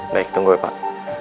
baik tunggu ya pak